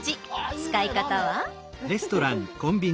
使い方は。